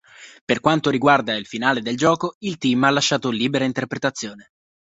Per quanto riguarda il finale del gioco, il team ha lasciato libera interpretazione.